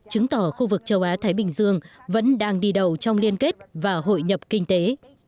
chứng tỏ khu vực châu á thái bình dương vẫn đang đi đầu trong liên kết và hội nhập kinh tế